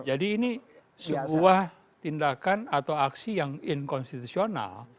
jadi ini sebuah tindakan atau aksi yang inkonstitusional